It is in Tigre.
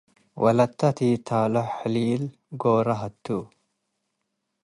ወለተ ቲታሎ ሕሊል ጎረ - ሀቱ